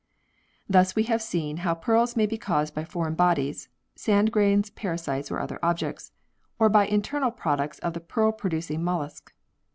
Thus we have seen how pearls may be caused by foreign bodies (sand grains, parasites, or other objects) or by internal products of the pearl producing mollusc.